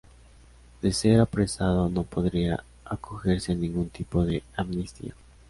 De ser apresado, no podría acogerse a ningún tipo de amnistía.